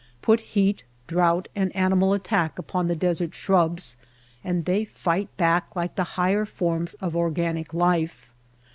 Put heat, drouth, and ani mal attack against the desert shrubs and they fight back like the higher forms of organic life.